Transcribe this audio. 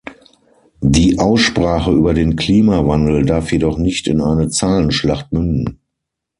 Die Aussprache über den Klimawandel darf jedoch nicht in eine Zahlenschlacht münden.